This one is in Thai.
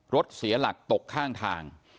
รถเสียหลักตกข้างทาง